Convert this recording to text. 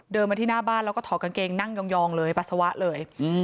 มาที่หน้าบ้านแล้วก็ถอดกางเกงนั่งยองเลยปัสสาวะเลย